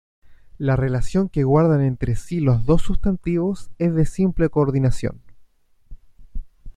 La relación que guardan entre sí los dos sustantivos es de simple coordinación.